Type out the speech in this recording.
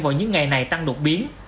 vào những ngày này tăng đột biến